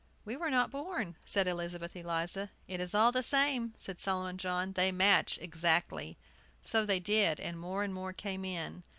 We were not born," said Elizabeth Eliza. "It is all the same," said Solomon John. "They match exactly." So they did, and more and more came in.